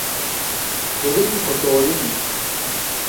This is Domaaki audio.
کُولنݣ فُوٹورنݣ